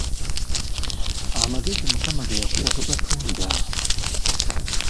Amagezi Mukama ge yakuwa togatuulira.